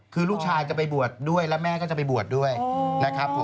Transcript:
คือลูกชายจะไปบวชด้วยแล้วแม่ก็จะไปบวชด้วยนะครับผม